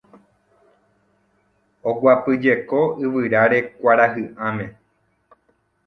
Oguapyjeko yvyráre kuarahy'ãme